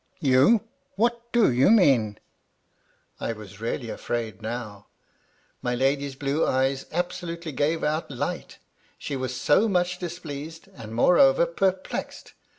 'You ! What do you mean ?" I was really afraid now. My lady's blue eyes absolutely gave out light, she was so much displeased, and, moreover, perplexed.